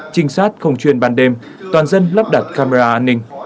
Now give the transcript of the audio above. trinh sát không chuyên ban đêm toàn dân lắp đặt camera an ninh